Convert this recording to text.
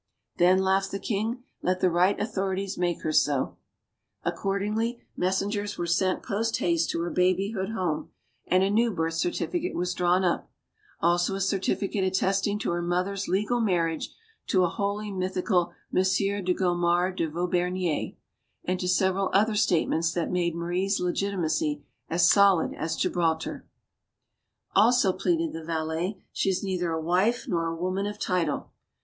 "Then," laughed the king, "let the right authorities make her so." Accordingly, messengers were sent posthaste to her babyhood home, and a new birth certificate was drawn up; also a certificate attesting to her mother's legal marriage to a wholly mythical Monsieur de Gomard de Vaubernier and to several other statements that made Marie's legitimacy as solid as Gibraltar. MADAME DU BARRY 189 "Also," pleaded the valet, "she is neither a wife nor a woman of title."